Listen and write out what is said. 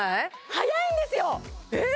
はやいんですよえっ